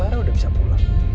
ini clara udah bisa pulang